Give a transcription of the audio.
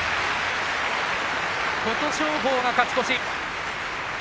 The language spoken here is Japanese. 琴勝峰が勝ち越し。